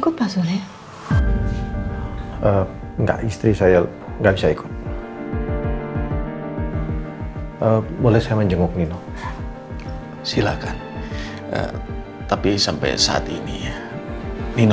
kita ngapain sih kesini